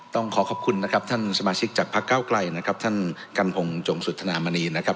ต้องขอขอบคุณนะครับท่านสมาชิกจากพักเก้าไกลนะครับท่านกันพงศ์จงสุธนามณีนะครับ